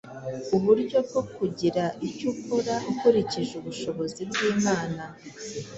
uburyo bwo kugira icyo akora akurikije ubushobozi bw’Imana.